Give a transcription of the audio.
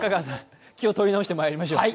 気を取り直してしいきましょう。